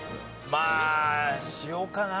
まあしようかな。